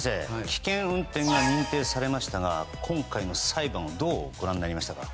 危険運転が認定されましたが今回の裁判をどうご覧になりましたか？